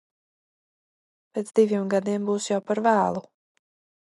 Pēc diviem gadiem būs jau par vēlu.